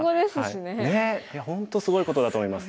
ねえいや本当すごいことだと思います。